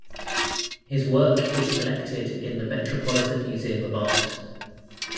His work is collected in the Metropolitan Museum of Art.